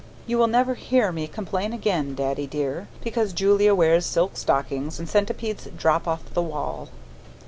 You will never hear me complain again, Daddy dear, because Julia wears silk stockings and centipedes drop off the wall.